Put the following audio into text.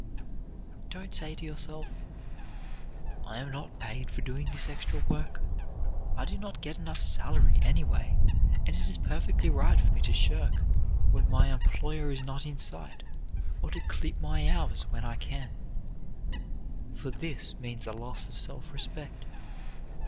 Don't say to yourself, "I am not paid for doing this extra work; I do not get enough salary, anyway, and it is perfectly right for me to shirk when my employer is not in sight or to clip my hours when I can," for this means a loss of self respect.